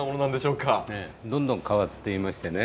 どんどん変わっていましてね